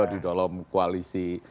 di dalam koalisi